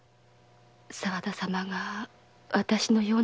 沢田様が私のような者を。